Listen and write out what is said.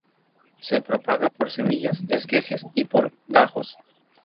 Se propaga por semillas, esquejes y por gajos.